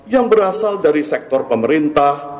yang berasal dari sektor pemerintah